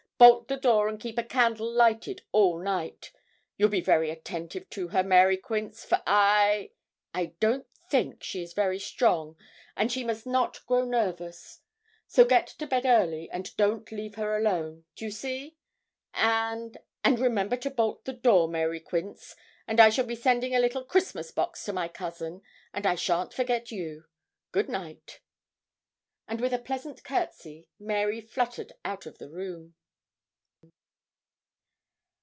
bolt the door and keep a candle lighted all night. You'll be very attentive to her, Mary Quince, for I I don't think she is very strong, and she must not grow nervous: so get to bed early, and don't leave her alone do you see? and and remember to bolt the door, Mary Quince, and I shall be sending a little Christmas box to my cousin, and I shan't forget you. Good night.' And with a pleasant courtesy Mary fluttered out of the room.